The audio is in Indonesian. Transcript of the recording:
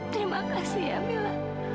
terima kasih ya mila